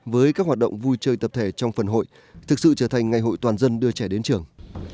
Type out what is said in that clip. với các hoạt động vui chơi tập thể trong phần hội thực sự trở thành ngày hội toàn dân đưa trẻ đến trường